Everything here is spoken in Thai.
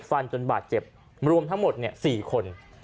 มีดฟันจนบาดเจ็บรวมทั้งหมดเนี่ย๔คน